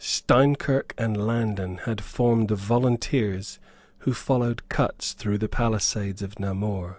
Steinkirk and Landen had formed the volunteers who followed Cutts through the palisades of Namur.